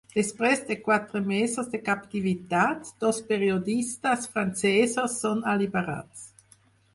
Després de quatre mesos de captivitat, dos periodistes francesos són alliberats.